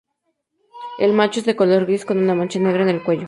El macho es de color gris con una mancha negra en el cuello.